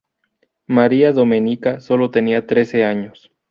Maria Domenica solo tenía trece años.